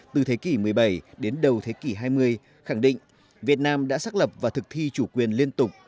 từ thế kỷ một mươi bảy đến đầu thế kỷ hai mươi khẳng định việt nam đã xác lập và thực thi chủ quyền liên tục